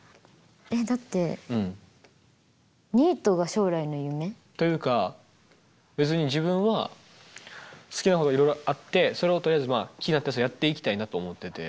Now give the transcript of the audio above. えっだってニートが将来の夢？というか別に自分は好きなことがいろいろあってそれをとりあえず気になったやつをやっていきたいなと思ってて。